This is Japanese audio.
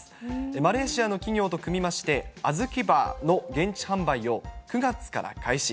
マレーシアの企業と組みまして、あずきバーの現地販売を９月から開始。